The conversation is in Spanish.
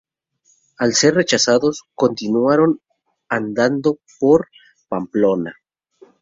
Al ser rechazados, continuaron andando por Pamplona.